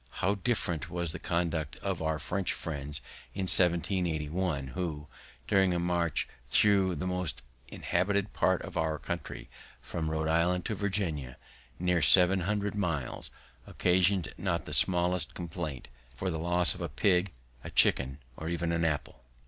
How different was the conduct of our French friends in 1781, who, during a march thro' the most inhabited part of our country from Rhode Island to Virginia, near seven hundred miles, occasioned not the smallest complaint for the loss of a pig, a chicken, or even an apple.